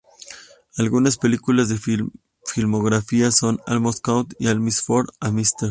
Algunas películas de su filmografía son "Almost Caught", "A Miss For A Mrs.